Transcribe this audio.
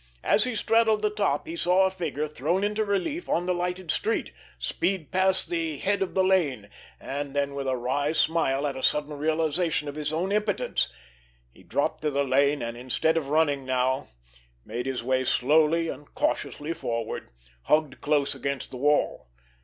As he straddled the top, he saw a figure, thrown into relief on the lighted street, speed past the head of the lane—and then, with a wry smile at a sudden realization of his own impotence, he dropped to the lane, and, instead of running now, made his way slowly and cautiously forward, hugged close against the wall.